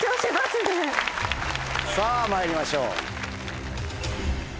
さぁまいりましょう。